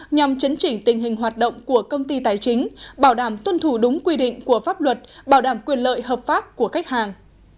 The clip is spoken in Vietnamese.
nhằm chấn chỉnh tình hình hoạt động của công ty tài chính bảo đảm tuân thủ đúng quy định của pháp luật bảo đảm quyền lợi hợp pháp của khách hàng